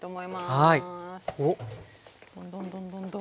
どんどんどんどんどん。